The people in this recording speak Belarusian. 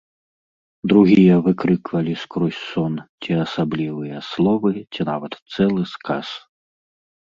Другія выкрыквалі скрозь сон ці асаблівыя словы, ці нават цэлы сказ.